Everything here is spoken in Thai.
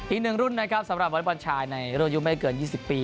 อีกหนึ่งรุ่นนะครับสำหรับเว้นบรรชาญในรอยุไม่เกินยี่สิบปี